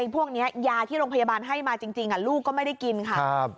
พวกนี้ยาที่โรงพยาบาลให้มาจริงลูกก็ไม่ได้กินค่ะ